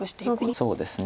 そうですね。